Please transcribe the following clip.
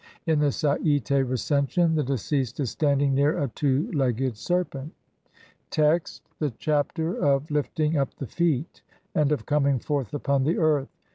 In the Sai'te Recension the deceased is standing near a two legged serpent (Lepsius, op. cit., Bl. 27). Text : (1) THE CHAPTER OF LIFTING UP THE FEET AND OF COMING FORTH UPON THE EARTH.